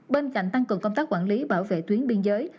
bên cạnh tăng cường công tác quản lý bảo vệ tuyến biên giới